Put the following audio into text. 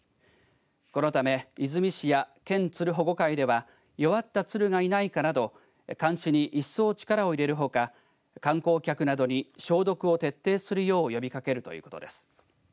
このため出水市や県ツル保護会では弱ったツルがいないかなど監視に一層力を入れるほか観光客などに消毒を徹底するよう呼びかけるということです。